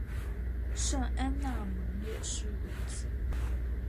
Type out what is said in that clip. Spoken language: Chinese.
圣安娜门也是如此。